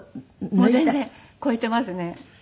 もう全然超えていますね。